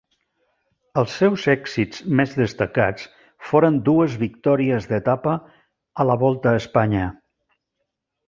Els seus èxits més destacats foren dues victòries d'etapa a la Volta a Espanya.